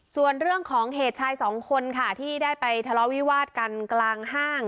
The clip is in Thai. ส่วนเรื่องของเหตุชายสองคนค่ะที่ได้ไปทะเลาะวิวาดกันกลางห้าง